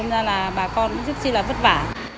nên là bà con cũng rất là vất vả